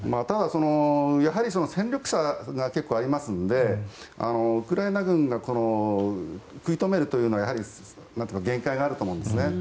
ただ、やはり戦力差が結構ありますのでウクライナ軍が食い止めるというのは限界があると思うんですね。